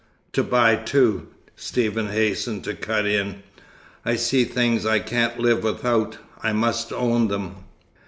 "To buy, too," Stephen hastened to cut in. "I see things I can't live without. I must own them."